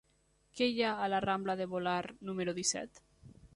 Què hi ha a la rambla de Volart número disset?